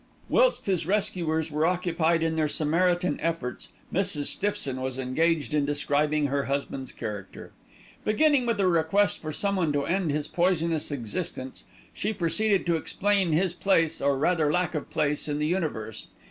Whilst his rescuers were occupied in their samaritan efforts, Mrs. Stiffson was engaged in describing her husband's character. Beginning with a request for someone to end his poisonous existence, she proceeded to explain his place, or rather lack of place, in the universe.